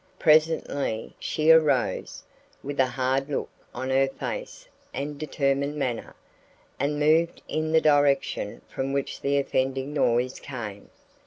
Presently she arose, with a hard look on her face and determined manner, and moved in the direction from which the offending noise came.